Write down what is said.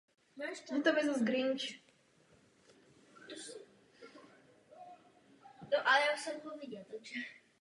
Cílem hry je v každém levelu spojit úlomky magického kamene.